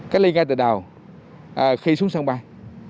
cách ly ngay từ đầu khi xuống sân bay